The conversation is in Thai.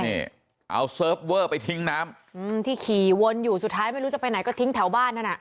นี่เอาเซิร์ฟเวอร์ไปทิ้งน้ำอืมที่ขี่วนอยู่สุดท้ายไม่รู้จะไปไหนก็ทิ้งแถวบ้านนั่นอ่ะ